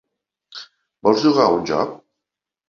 Vols jugar a un joc?